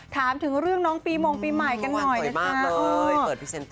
ถามถึงเรื่องน้องปีมงปีใหม่กันหน่อย